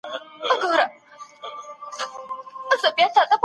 کار د ډلې لخوا ترسره کېږي.